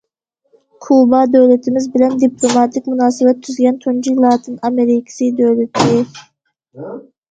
كۇبا دۆلىتىمىز بىلەن دىپلوماتىك مۇناسىۋەت تۈزگەن تۇنجى لاتىن ئامېرىكىسى دۆلىتى.